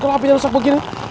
kalau apinya rusak begini